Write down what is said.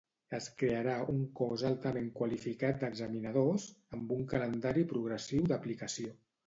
Es crearà un cos altament qualificat d'examinadors, amb un calendari progressiu d'aplicació.